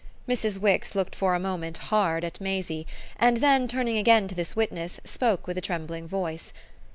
Mrs. Wix looked for a moment hard at Maisie, and then, turning again to this witness, spoke with a trembling voice.